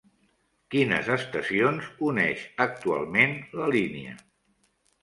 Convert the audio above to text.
Quines estacions uneix actualment la línia?